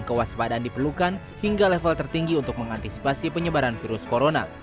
kewaspadaan diperlukan hingga level tertinggi untuk mengantisipasi penyebaran virus corona